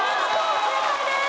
正解です。